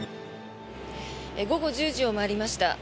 午後１０時を回りました。